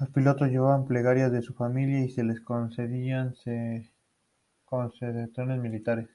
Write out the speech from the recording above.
Los pilotos llevaban plegarias de su familia y se les concedían condecoraciones militares.